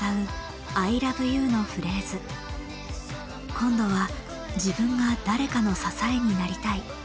今度は自分が誰かの支えになりたい。